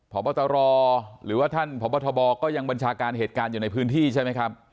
พบตรหรือว่าท่านพบทบก็ยังบัญชาการเหตุการณ์อยู่ในพื้นที่ใช่ไหมครับ